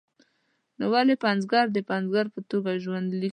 نو ولې پنځګر د پنځګر په توګه ژوند لیک لیکي.